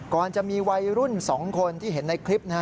ก่อนจะมีวัยรุ่น๒คนที่เห็นในคลิปนะฮะ